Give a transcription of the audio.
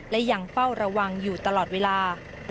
และยังเฝ้าระวังอยู่ตลอดเวลา